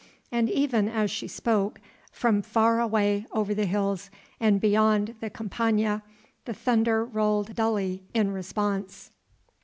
And even as she spoke, from far away over the hills and beyond the Campania the thunder rolled dully in response.